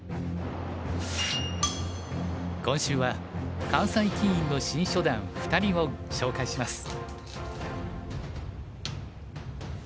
今週は関西棋院の新初段２人を紹介します。